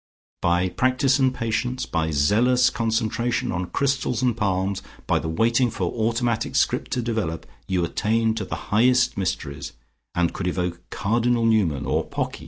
By practice and patience, by zealous concentration on crystals and palms, by the waiting for automatic script to develop, you attained to the highest mysteries, and could evoke Cardinal Newman, or Pocky....